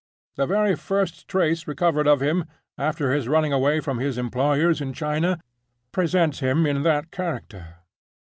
The very first trace recovered of him, after his running away from his employers in China, presents him in that character.